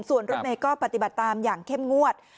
ส่วนรถเมย์ก็ปฏิบัติตามอย่างเข้มงวด